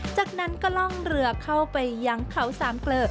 จากนั้นก็ล่องเรือเข้าไปยังเขาสามเกลอ